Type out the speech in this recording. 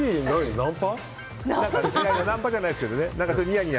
ナンパじゃないですけどニヤニヤ。